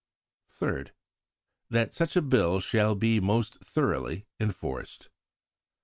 3rd. That such a Bill shall be most thoroughly enforced.